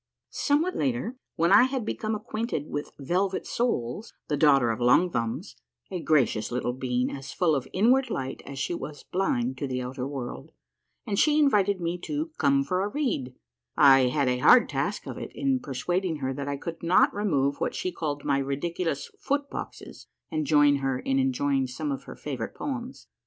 Somewhat later, when I had become acquainted with Velvet Soles, the daughter of Long Thumbs, a gracious little being as full of inward light as she was blind to the outer world, and she invited me to " come for a read," I had a hard task of it in persuading her that I could not remove what she called my ridiculous " foot boxes " and join her in enjoying some of her favorite poems.